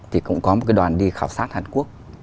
thì cũng có một cái đoàn đi khảo sát hàn quốc